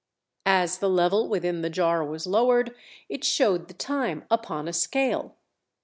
As the level within the jar was lowered, it showed the time upon a scale.